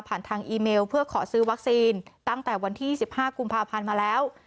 ทางอีเมลเพื่อขอซื้อวัคซีนตั้งแต่วันที่๑๕กุมภาพันธ์มาแล้ว